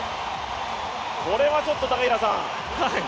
これはちょっと高平さん。